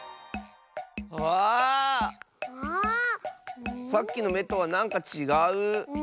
ああっ⁉さっきのめとはなんかちがう！